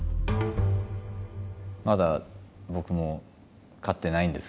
まだ僕も勝ってないんですけど。